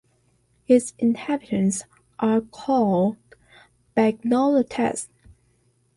Its inhabitants are called "Bagnoletais".